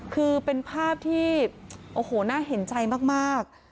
คือเป็นภาพที่โอ้โหน่าเห็นใจมาก